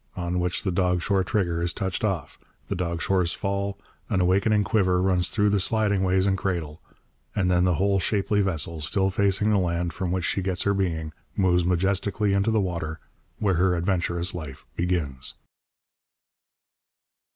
on which the dog shore trigger is touched off, the dog shores fall, an awakening quiver runs through the sliding ways and cradle; and then the whole shapely vessel, still facing the land from which she gets her being, moves majestically into the water, where her adventurous life begins.